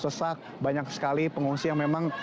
sesak banyak sekali pengungsi yang memang